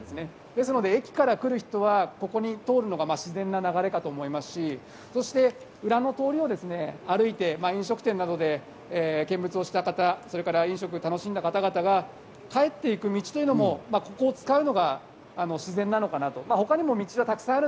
ですので駅から来る人はここを通るのは自然な流れかと思いますし、裏の通りを歩いて飲食店などを見物したり、楽しんだ方々が帰える道もここを使うのが自然なのかなと。